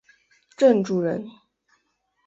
郑注人。